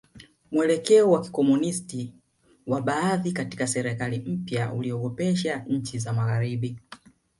Mwelekeo wa Kikomunisti wa baadhi katika serikali mpya uliogopesha nchi za Magharibi